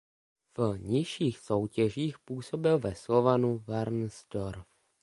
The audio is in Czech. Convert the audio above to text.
V nižších soutěžích působil ve Slovanu Varnsdorf.